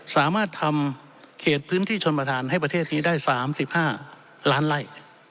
สามารถทำเขตพื้นที่ชนประธานให้ประเทศนี้ได้๓๕ล้านไล่